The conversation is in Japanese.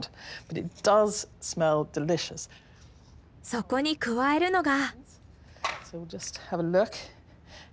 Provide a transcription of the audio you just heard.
そこに加えるのが。